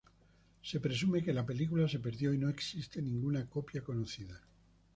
Se presume que la película se perdió y no existe ninguna copia conocida.